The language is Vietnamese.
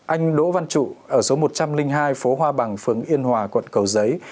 anh đỗ văn trụ ở số một trăm linh hai phố hoa bằng phường yên hòa quận cầu giấy